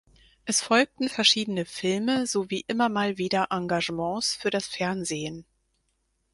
Es folgten verschiedene Filme sowie immer mal wieder Engagements für das Fernsehen.